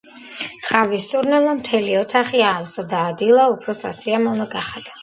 ყავის სურნელმა მთელი ოთახი აავსო და დილა უფრო სასიამოვნო გახადა.